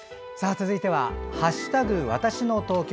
続いては、「＃わたしの東京」。